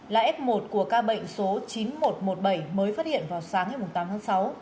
là f một của ca bệnh số chín nghìn một trăm một mươi bảy mới phát hiện vào sáng ngày tám tháng sáu